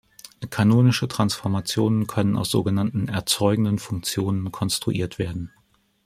Kanonische Transformationen können aus sogenannten "erzeugenden Funktionen" konstruiert werden.